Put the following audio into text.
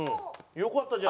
よかったじゃん。